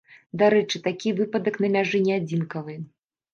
Дарэчы, такі выпадак на мяжы не адзінкавы.